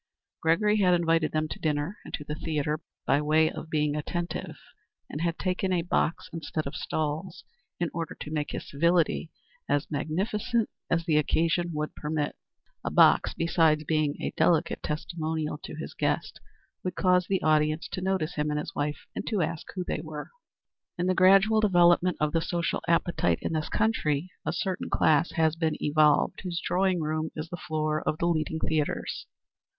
Gregory had invited them to dinner and to the theatre, by way of being attentive, and had taken a box instead of stalls, in order to make his civility as magnificent as the occasion would permit. A box, besides being a delicate testimonial to his guest, would cause the audience to notice him and his wife and to ask who they were. In the gradual development of the social appetite in this country a certain class has been evolved whose drawing room is the floor of the leading theatres.